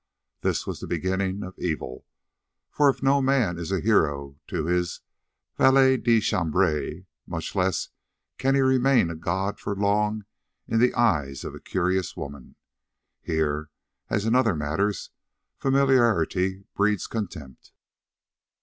This was the beginning of evil, for if no man is a hero to his valet de chambre, much less can he remain a god for long in the eyes of a curious woman. Here, as in other matters, familiarity breeds contempt.